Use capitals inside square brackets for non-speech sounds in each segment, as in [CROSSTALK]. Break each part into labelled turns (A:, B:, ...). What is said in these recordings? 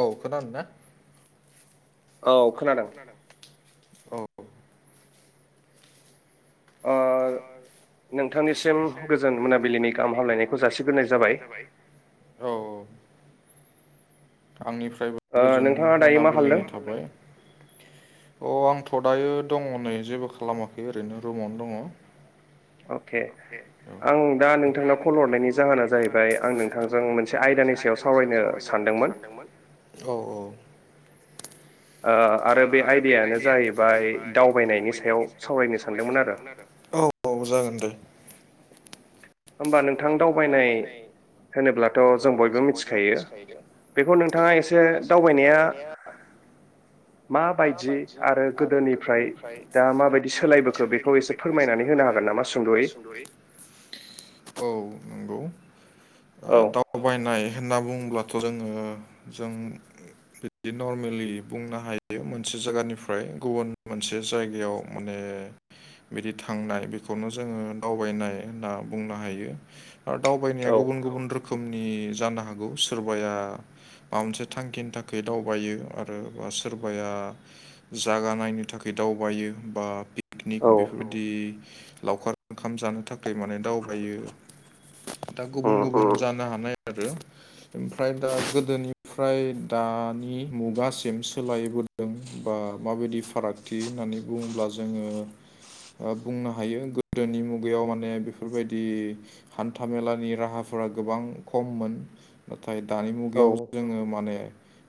A: औ खोनादो ना? औ खोनादों अ।
B: ओ नोंथांनिसिम गोजोन मोनाबिलिनि गाहाम हामलायनायखौ जासिग्रोनाय जाबाय।
A: औ आंनिफ्रायबो गोजोन मोनाबिलिनि थाबाय। अ आंथ' दायो दङ नै जेबो खालामाखै ओरैनो रुमावनो दङ।
B: अके आं दा नोंथांनाव कल हरनायनि जाहोना जाहैबाय आं नोंथांजों मोनसे।
A: जों मोनसे आयदानि सायाव सावरायनो सानदोंमोन। औ औ ओ आरो बे आयदायानो जाहैबाय दावबायनायनि सायाव सावरायनो सानदोंमोन आरो औ। औ जागोन दे।
B: होमबा नोंथां दावबायनाय होनोब्लाथ' जों बयबो मिथिखायो। बेखौ नोंथाङा एसे दावबायनाया माबायदि आरो गोदोनिफ्राय दा माबायदि सोलायबोखो बेखौ एसे
A: बेखौ एसे फोरमायनानै होनो हागोन नामा सुंद'यै? औ नंगौ ओ दावबायनाय होनना बुङोब्लाथ' जोङो, जों बिदि नर्मेलि बुंनो हायो। बि मोनसे जायगानिफ्राय गुबुन मोनसे जायगायाव माने बिदि थांनाय बेखौनो जोङो दावबायनाय होनना बुंनो हायो। आरो दावबायनाया गुबुन गुबुन रोखोमनि जानो हागौ। सोरबाया माबा मोनसे थांखिनि थाखाय दावबायो आरो बा सोरबाया जागा नायनो थाखाय दावबायो। बा पिकनिक बेफोरबायदि लावखार ओंखाम जानो था खाय माने दावबायो दा गुबुन गुबुन जानो हानाय आरो ओमफ्राय दा गोदोनिफ्राय दानि मुगासिम सोलायबोदों बा माबायदि फारागथि होननानै बुङोब्ला जोङो ओ बुंनो हायो गोदोनि मुगायाव माने बिफोरबायदि हान्थामेलानि राहाफोरा गोबां खममोन। नाथाय दानि मुगायाव जोङो माने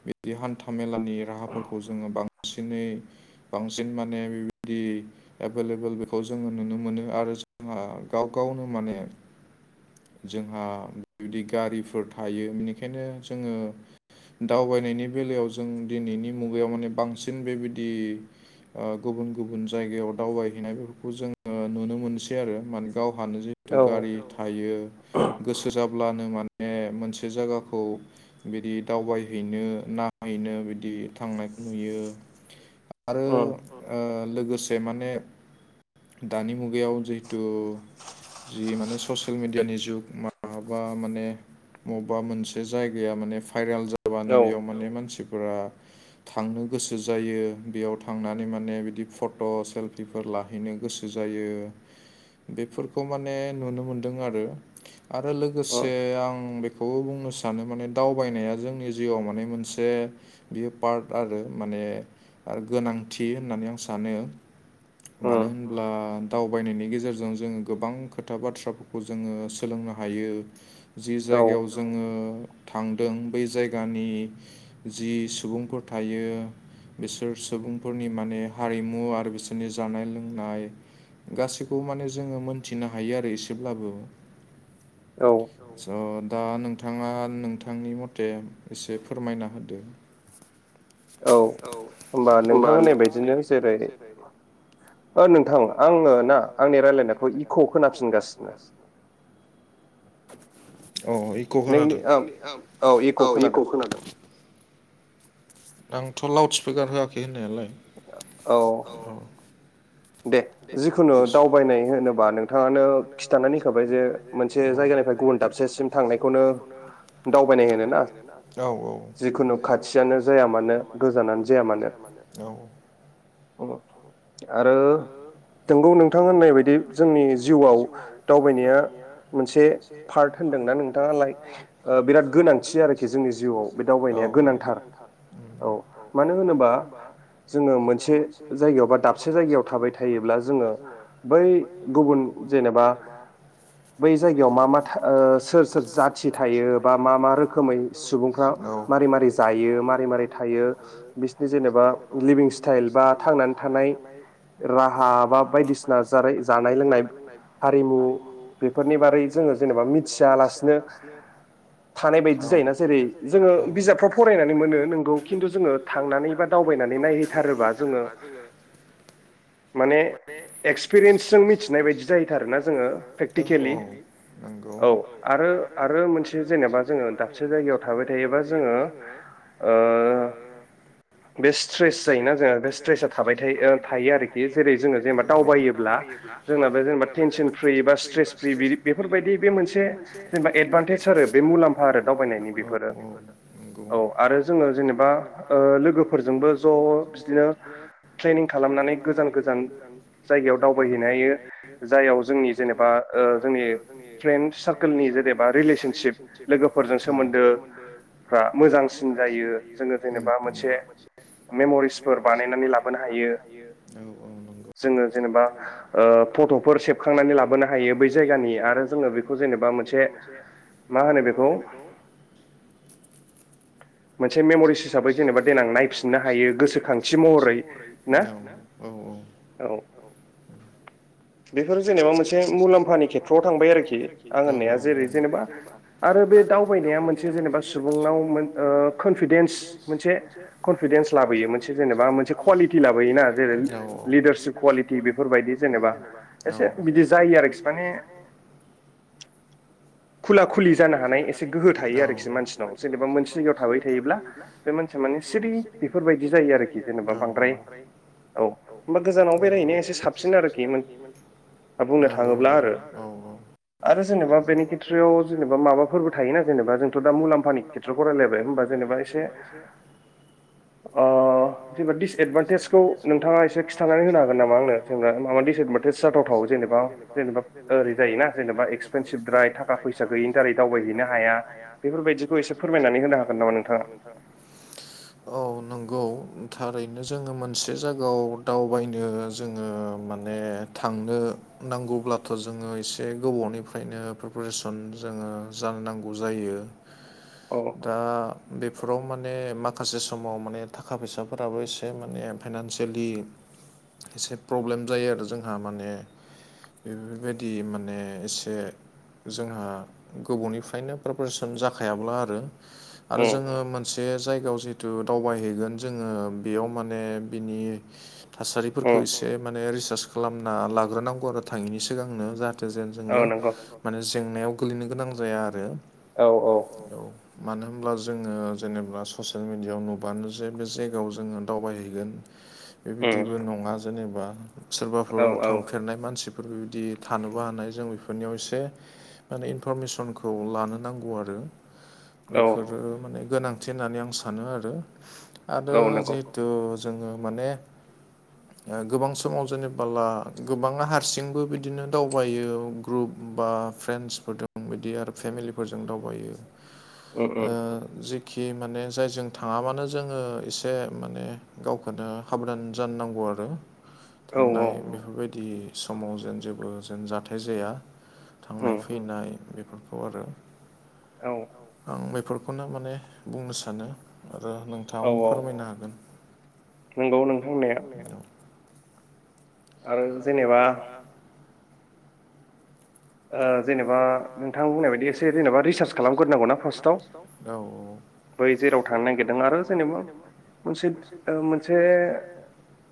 A: बिदि हान्था मेलानि राहाफोरखौ जोङो बां बांसिनै बांसिन माने बेबायदि एभेलेबल बेखौ जोङो नुनो मोनो आरो जोंहा गाव गावनो माने जोंहा बिदि गारिफोर थायो बेनिखायनो जोङो दावबायनायनि बेलायाव जों दिनैनि मुगायाव माने बांसिन बेबायदि ओ गुबुन गुबुन जायगायाव दावबायहैनाय फोरखौबो जों नुनो मोनसै। आरो माने गावहानो जि गारि थायो। गोसो जाब्लानो माने मोनसे जायगाखौ बिदि दावबायहैनो नाहैनो बि बिदि थांनायखौ नुयो आरो ओ लोगोसे माने दानि मुगायाव जिहेटु जि माने ससियेल मिडियानि जुग माबा माने मबेबा मोनसे जायगाया माने भाइरेल जाबानो बेयाव माने मानसिफोरा थांनो गोसो जायो। बेयाव थांनानै माने बिदि फट' सेलफिफोर ला हैैनो गोसो जायो बेफोरखौ माने नुनो मोनदों आरो आरो लोगोसे आं बेखौ बुंनो सानो माने दावबायनाया जोंनि जिउआव माने मोनसे बियो पार्ट आरो माने आरो गोनांथि होननानै आं सानो। मानो होनब्ला दावबायनायनि गेजेरजों जोङो गोबां खोथा बाथ्राफोरखौ जोङो सोलोंनो हायो। जि जायगायाव जोङो थांदों बै जायगानि जि सुबुंफोर थायो बिसोर सुबुंफोरनि माने हारिमु आरो बिसोरनि जानाय लोंनाय गासैखौबो माने जोङो मोनथिनो हायो आरो एसेब्लाबो
B: औ
A: स' दा नोंथाङा नोंथांनि मथे एसे फोरमायना होदो।
B: औ होमबा नोंथां होननाय बादिनो जेरै ओ नोंथां आङो ना आंनि रायलायनायखौ इक' खोनाफिनगासिनो। [INAUDIBLE]
A: औ इक' खोनादों नोंनि औ औ इक' खोनादों। आंथ' लाउड स्पिकार होआखै होनायालाय।
B: औ दे जिखुनु दावबायनाय होनोबा नोंथाङानो खिन्थानानै होखाबाय जे
A: बे मोनसे जायगानिफ्राय गुबुन दाबसेसिम थांनायखौनो दावबायनाय होनो ना औ औ जिखुनु खाथियानो जाया मानो गोजानानो जाया मानो। औ
B: अ
A: आरो
B: नोंगौ नोंथां होननाय बायदि जोंनि जिउआव दावबायनाया मोनसे पार्ट होनदोंना नोंथाङालाय बिराद गोनांथि आरोखि जोंनि जिउआव बे दावबायनाया गोनांथार।
A: [UNINTELLIGIBLE]
B: औ मानो होनोबा जोङो मोनसे जायगायावबा दाबसे जायग गायाव थाबाय थायोब्ला जोङो बै गुबुन जेनेबा बै जायगायाव मा मा सोर सोर जाथि थायो बा मा मा रोखोमै सुबुंफ्रा मारै मारै जायो मारै मारै थायो बिसिनि जेनेबा
A: बा लिभिं स्टाइल बा थांनानै थानाय
B: राहा बा बायदिसिना जारै जानाय लोंनाय हारिमु बेफोरनि बारै जोङो जेनेबा मिथियालासिनो थानाय बायदि जायोना जेरै जोङो बिजाबफ्राव फरायनानै मोनो नोंगौ खिन्थु जोङो
A: जोङो थांनानै बा दावबायनानै नायहैथारोबा जोङो
B: माने एक्सपिरियेन्सजों मिथिनाय बायदि जायोथारोना जोङो प्रेक्टिकेलि औ आरो आरो मोनसे जेनेबा जोङो दाबसे जायगायाव थाबाय थायोबा जोङो ओ बे स्ट्रेस जायोना जोंहा बे स्ट्रेसा थाबाय थायो आरो। जेरै जोङो जेनेबा दावायोब्ला जोंना बे जेनेबा ट्रेनसन फ्रि बा स्ट्रेस फ्रि बिदि बेफोरबायदि बे मोनसे जेनेबा एदभान्टेज आरो बे मुलाम्फा आरो दावबायनायनि बेफोरो औ आरो जोङो जेनेबा ओ लोगोफोरजोंबो ज' बिदिनो ट्रेनिं खालामनानै गोजान गोजान जायगायाव दावबायहैनो हायो जायाव जोंनि जेनेबा ओ जोंनि फ्रेन्ड सार्कोलनि जेनेबा रिलेसनसिप लोगोफोरजों सोमोन्दो फ्रा‌ मोजांसिन जायो जोङो जेनेबा मोनसे मेमरिसफोर बानायनानै ला
A: नानै लाबोनो हायो औ औ नंगौ जेनेबा ओ फट'फोर सेबखांनानै लाबोनो हायो बै जायगानि आरो जोङो बेखौ जेनेबा मोन मोनसे मा होनो बेखौ मोनसे मेमरिस हिसाबै जेनेबा देनां नायफिननो हायो गोसोखांथि महरै ना औ औ
B: औ बेफोर जेनेबा मोनसे मुलाम्फानि खेथ्रआव थांबाय आरोखि आं होननाया जेरै जेनेबा आरो बे दावबायनाया मोनसे जेनेबा सुबुंनाव कनफिदेन्स मोनसे कनफिडेन्स लाबोयो मोनसे जेनेबा मोनसे कुवालिटि लाबोयोना जेरै लिडारशिप कुवालिटि बेफोर बायदि जेनेबा
A: औ एसे बिदि जायो आरोखि माने
B: खुला खुलि जानो हानाय एसे गोहो थायो आरोखि मानसिनाव जेनेबा मोनसे जायगायाव थाबाय थायोब्ला ओ बे मानसिया माने सिरि बेफोरबायदि जायो आरोखि जेनेबा बांद्राय। औ होमबा गोजानाव बेरायहैनाया एसे साबसिन आरोखि। बुंनो थाङोब्ला आरो आरो जेनेबा बेनि खेथ्रायाव। जेनबा माफोरबो थायोना जेनेबा जोंथ' दा मुलाम्फानि खेथ्रखौ रायलायबाय होनबा जेनेबा एसे ओ जेनेबा दिडिसएदभान्टेजखौ नोंथाङा एसे खिन्थानानै होनो हागोन नामा आंनो। नङा डिसएडबानतेस जाथावथाव जेनेबा जेनेबा ओरै जायोना जेनेबा एक्सपेनसिबद्राय थाखा फैसा।
A: थाखा फैसा गैयिनि दारै दावबायहैनो हाया बेफोरबायदिखौ एसे फोरमायनानै होनो हागोन नामा नोंथाङा।
B: [INAUDIBLE]
A: औ नंगौ थारैनो जोङो मोनसे जायगायाव दावबायनो थां जोङो माने थांनो। नांगौब्लाथ' जोङो एसे गोबावनिफ्रायनो प्रिपेरेसन जोङो जानो नांगौ जायोदा बेफोराव माने माखासे समाव माने थाखा फैसाफोराबो एसे माने फाइनानसियेलि। एसे प्रब्लेम जायो आरो जोंहा माने बेफोर बायदि माने एसे जोंहा गोबावनिफ्रायनो प्रिपेरेसन जाखायाब्ला आरो आरो जोङो से जायगायाव जिहेतु दावबायहैगोन जोङो बेयाव माने थासारिफोरखौ एसे माने रिसार्च खालामना लाग्रोनांगौ आरो थाङैनि सिगांनो जाहाथे जेन जोङो माने जेंनायाव गोलैनो गोनां जाया आरो औ। मानो होनब्ला जोङो जेनेबा ससियेल मिडियाायाव नुबानो जे बे जायगायाव जोङो दावबायहैगोन।
B: [INAUDIBLE]
A: बे बायदिबो नङा जेनेबा सोरबाफोर थांफेरनाय मानसि बेफोर बेबायदि थानोबो हानाय जों बेफोरनियाव एसे माने इनफरमेसनखौ लानो नांगौ आरो। बेफोरो माने गोनांथि होननानै आं सानो आरो आरो जिहे थ जोङो माने
B: [INAUDIBLE]
A: गोबां समाव जेनेबाला गोबाङा हारसिंबो बिदिनो दावबायो ग्रुप बा फ्रेन्डसफोरदों बिदि आरो फेमिलिफोरजों दावबायो ओ जि खि माने जायजों थाङाबानो जोङो एसे माने गावखौनो एसे साबदान जानो नांगौ आरो। थांनाय बेफोरबायदि समाव जेन जेबो जेन जाथाय जाया। थांनाय फैनाय बेफोरखौ आरो आं बेफोरखौनो माने बुंनो सानो आरो नोंथाङाबो फोरमायनो हागोन।
B: नंगौ नोंथां होननाया।
A: आरो जेनेबा
B: जेनेबा नोंथां बुंनाय बायदि एसे जेनेबा रिसार्च खालामग्रोनांगौना फार्स्टा बै जेराव थांनो नागिरदों आरो जेनेबा मोनसे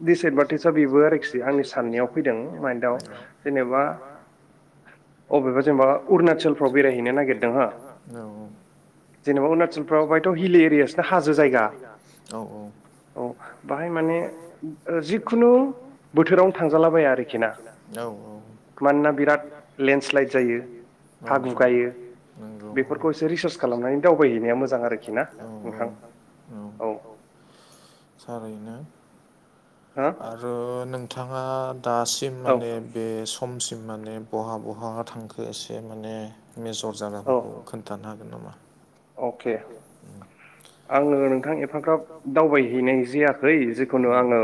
B: दिसेदभान्टेजआ बेबो आरोखि आंनि साननायाव फैदों माहेन्दोआव जेनेबा
A: अबेबा जेनबा उरुणाचलफ्राव बेरायहैनो नागिरदों औ जेनेब नायजिनिफ्रावहायथ' हिलि एरियासथ' हाजो जायगा औ औ।
B: औ बाहाय माने जिखुनु बोथोरावनो थांजालाबाया आरोखि
A: औ औ मानोना बिराद
B: स्लाइद जायो हा गुगायो बेफोरखौ एसे रिसार्च खालामनानै दावबायहैनाया मोजां आरोखि ना। नोंथां औ।
A: थारैनो।
B: हो
A: आरो नोंथाङा दासिम माने बे समसिम माने बहा बहा थांखो एसे माने मेजर जायागाफोरखौ खोन्थानो हागोन नामा?
B: अके। आङो नोंथां एफाग्राब दावबायहैनाय जायाखै जेखुनु आङो।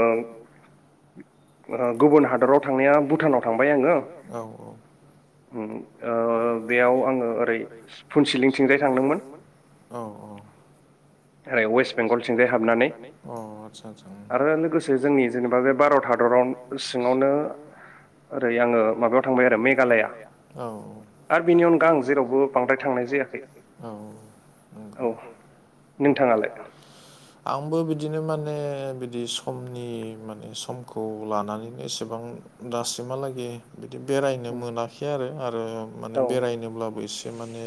A: गुबुन हादराव थांनाया भुटानाव थांबाय आङो औ औ।
B: बेयाव आङो ओरै फुनसिलिंथिंजाय थांदोंमोन।
A: औ औ।
B: ओरै वेस्ट बेंगलथिंजाय हाबनानै आरो लोगोसे जोंनि जेनेबा बे भारत हादराव सिङावनो
A: ओरै आङो माबायाव थांबाय आरो मेघालया औ दा बेनि अनगा आं जेरावबो बांद्राय थांनाय जायाखै
B: औ।
A: नोंथाङालाय? आंबो बिदिनो माने बिदि समनि माने समखौ लानानैनो एसेबां दासिमहालागै बिदि बेरायनो मोनाखै आरो आरो माने बेरायनोब्लाबो एसे माने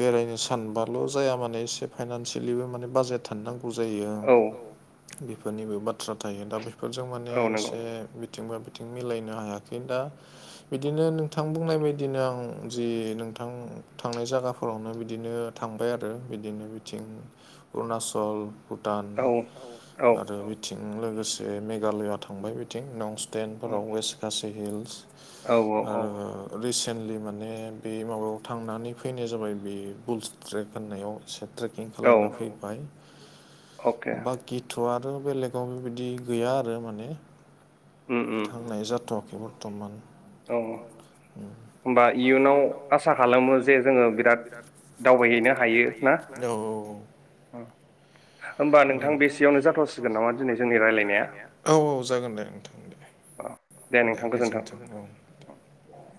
A: बेरायनो सानबाल' जाया माने एसे फाइनानसियेलिबो माने बाजेद थानो नांगौ जायो।
B: औ।
A: बेफोरनिबो बाथ्रा थायो दा बेफोरजों माने एसे बिथिंबा बिथिं मिलायनो हायाखै दा बिदिनो नोंथां बुंनाय बदिनो आं जि नोंथां थांनाय जायगाफोरावनो बिदिनो थांबाय आरो बिदिनो बिथिं उरुनाचल भुटान आरो बिथिं लोगोसे मेघालया थांबाय बिथिं नंस्टेनफोराव वेस्ट खासि हिल्स ओ। रिसेन्टलि माने बे माबायाव थांनानै फैनाय जाबाय बे बुल्स ट्रेक होननायाव से ट्रेक पकिं खालायना फैबाय।
B: दे।
A: बाकिथ' आरो बेलेगाव बेबायदि गैया आरो माने थांनाय जाथ'आखै बर्थमान।
B: औ। होमबा इयुनाव आसा खालामो जे जोङो बिराद दावबायहैनो हायो ना।
A: औ औ औ। होमबा नोंथां बेसेयावनो जाथावसिगोन नामा दिनै जोंनि रायज्लायनाया औ औ जागोन दे नोंथां दे।
B: [UNINTELLIGIBLE]
A: दे गोजोनथों औ।
B: [UNINTELLIGIBLE]